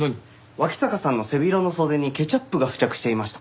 脇坂さんの背広の袖にケチャップが付着していました。